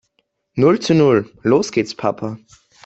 Null zu Null. Los gehts Papa.